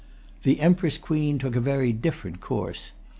The Empress Queen took a very different course.